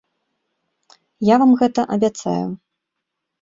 Я вам гэта абяцаю.